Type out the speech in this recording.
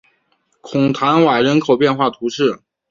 孔坦瓦人口变化图示